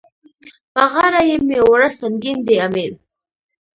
په غاړه يې مه وړه سنګين دی امېل.